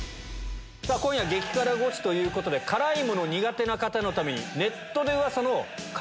今夜激辛ゴチということで辛いもの苦手な方のために。